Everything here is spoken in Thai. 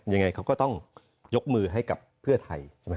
ยังไงเขาก็ต้องยกมือให้กับเพื่อไทยใช่ไหม